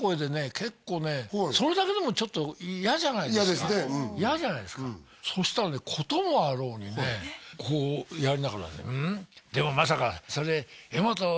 結構ねそれだけでもちょっと嫌じゃないですか嫌ですね嫌じゃないですかそしたらね事もあろうにねこうやりながら「うんでもまさかそれ」